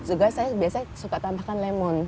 juga saya biasanya suka tambahkan lemon